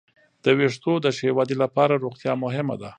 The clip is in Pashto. د وېښتو د ښې ودې لپاره روغتیا مهمه ده.